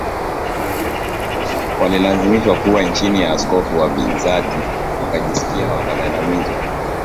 walilazimishwa kuwa chini ya Askofu wa Bizanti wakajisikia wanagandamizwa